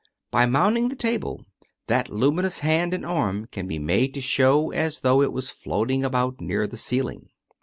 By mounting the table, that luminous hand and arm can be made to show as though it was floating about near the ceiling.